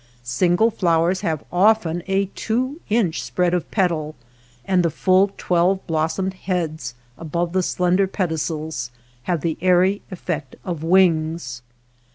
Single flowers have often a two inch spread of petal, and the full, twelve blos somed heads above the slender pedicels have the airy effect of wings.